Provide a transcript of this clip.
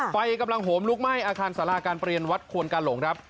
ไฟกำลังโหมลุกไหม้อาคารสาราการเปลี่ยนวัดควรกาหลงครับ